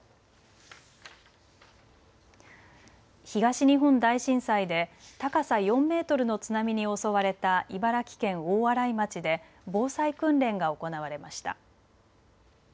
東日本大震災で高さ４メートルの津波に襲われた茨城県大洗町で防災訓練が行われました。